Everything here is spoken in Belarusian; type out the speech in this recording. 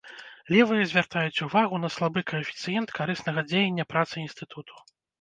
Левыя звяртаюць увагу на слабы каэфіцыент карыснага дзеяння працы інстытуту.